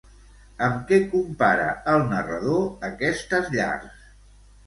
Amb què compara el narrador aquestes llars?